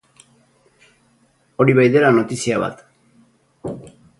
Hori bai dela notizia bat.